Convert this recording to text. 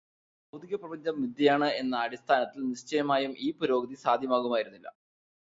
ഭൗതികപ്രപഞ്ചം മിഥ്യയാണ് എന്ന അടിസ്ഥാനത്തിൽ നിശ്ചയമായും ഈ പുരോഗതി സാധ്യമാകുമായിരുന്നില്ല.